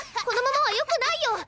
このままはよくないよ！